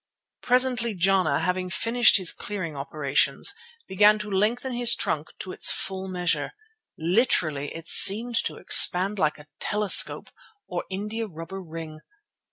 Presently Jana, having finished his clearing operations, began to lengthen his trunk to its full measure. Literally, it seemed to expand like a telescope or an indiarubber ring.